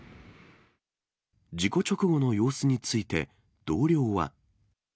事故直後の様子について、同僚は。